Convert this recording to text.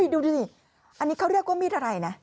ดูดิอันนี้เขาเรียกว่ามีดอะไรนะ